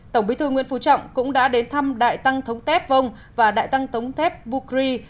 tổng bí thư nguyễn phú trọng cũng đã đến thăm đại tăng thống tép vông và đại tăng thống tép bukri